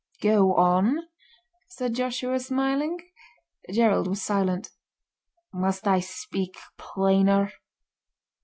"Go on!" said Joshua, smiling. Gerald was silent. "Must I speak plainer?"